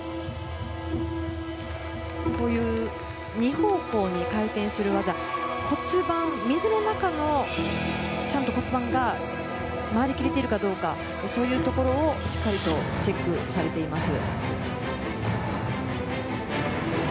こういう２方向に回転する技水の中の骨盤がちゃんと回り切れているかどうかそういうところをしっかりとチェックされています。